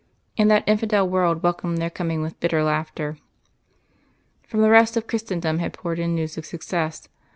And that infidel world welcomed their coming with bitter laughter. From the rest of Christendom had poured in news of success.